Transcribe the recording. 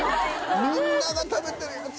みんなが食べてるやつ！